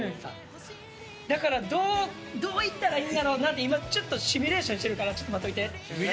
だからどういったらいいんやろなって今シミュレーションしてるからちょっと待っといて。